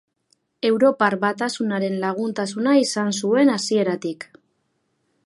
Europar Batasunaren laguntasuna izan zuen hasieratik.